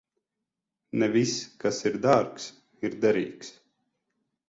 Ne viss, kas ir dārgs, ir derīgs.